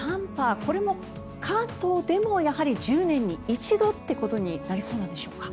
これも関東でもやはり１０年に一度ということになりそうなんでしょうか。